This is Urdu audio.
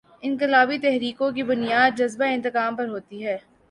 انقلابی تحریکوں کی بنیاد جذبۂ انتقام پر ہوتی ہے۔